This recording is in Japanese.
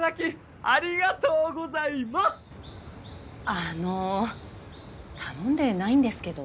あの頼んでないんですけど。